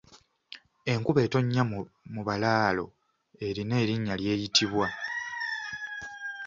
Enkuba etonnya mu balaalo erina erinnya ly’eyitibwa.